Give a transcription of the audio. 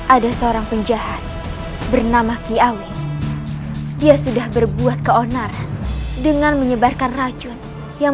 ada seorang penjahat bernama kiawi dia sudah berbuat keonar dengan menyebarkan racun yang